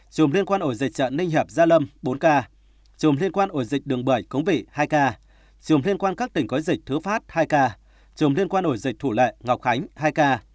trùm liên quan ổ dịch trận ninh hiệp gia lâm bốn ca trùm liên quan ổ dịch đường bởi cống vị hai ca trùm liên quan các tỉnh có dịch thứ phát hai ca trùm liên quan ổ dịch thủ lệ ngọc khánh hai ca